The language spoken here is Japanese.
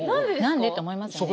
何でって思いますよね。